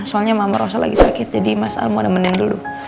soalnya mama rosa lagi sakit jadi mas al mau nemenin dulu